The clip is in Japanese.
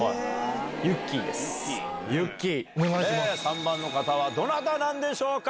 ３番の方はどなたなんでしょうか？